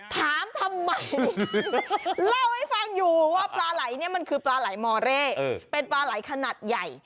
ถามทำไมเล่าให้ฟังอยู่ว่าปลาไหลเนี่ยมันคือปลาไหลมอเร่เป็นปลาไหลขนาดใหญ่